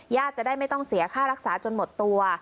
จะได้ไม่ต้องเสียค่ารักษาจนหมดตัว